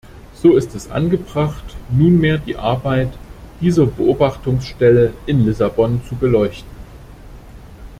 So ist es angebracht, nunmehr die Arbeit dieser Beobachtungsstelle in Lissabon zu beleuchten.